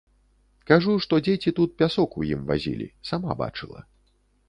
Кажу, што дзеці тут пясок у ім вазілі, сама бачыла.